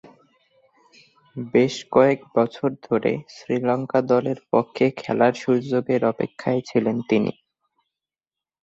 বেশ কয়েক বছর ধরে শ্রীলঙ্কা দলের পক্ষে খেলার সুযোগের অপেক্ষায় ছিলেন তিনি।